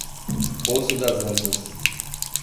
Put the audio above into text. Poço das Antas